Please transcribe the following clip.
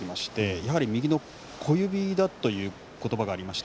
やはり右の小指がという言葉がありました。